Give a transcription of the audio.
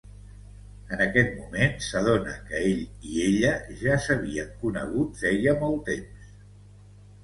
En aquest moment, s'adona que ell i ella ja s'havien conegut feia molt temps.